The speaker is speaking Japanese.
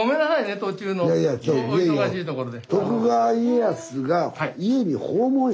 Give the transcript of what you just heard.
途中のお忙しいところで。